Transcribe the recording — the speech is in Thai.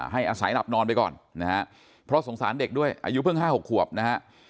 ให้อาศัยหลับนอนไปก่อนนะฮะเพราะสงสารเด็กด้วยอายุเพิ่ง๕๖ขวบนะฮะ